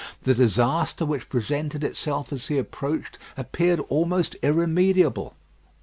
The disaster which presented itself as he approached appeared almost irremediable.